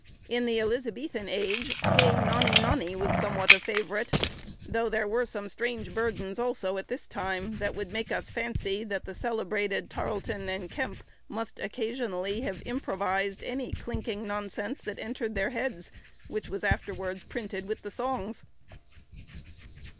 In the Elizabethan age, "Hey, nonny, nonny" was somewhat a favourite, though there were some strange burdens also at this time, that would make us fancy that the celebrated Tarleton and Kemp must occasionally have improvised any clinking nonsense that entered their heads, which was afterwards printed with the songs.